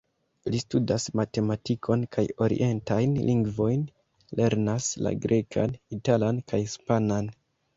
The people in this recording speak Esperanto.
Li studas matematikon kaj orientajn lingvojn, lernas la grekan, italan kaj hispanan.